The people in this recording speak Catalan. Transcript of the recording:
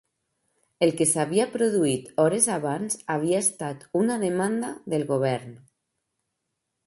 El que s'havia produït hores abans havia estat una demanda del Govern